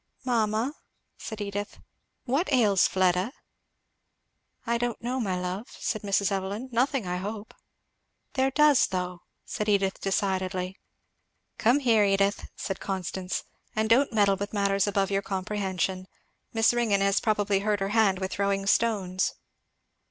"Mamma," said Edith, "what ails Fleda?" "I don't know, my love," said Mrs. Evelyn. "Nothing, I hope." "There does, though," said Edith decidedly. "Come here, Edith," said Constance, "and don't meddle with matters above your comprehension. Miss Ringgan has probably hurt her hand with throwing stones."